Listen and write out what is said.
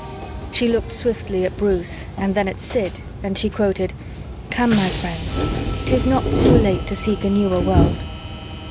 She looked swiftly at Bruce and then at Sid and she quoted, "'Come, my friends, 'tis not too late to seek a newer world'."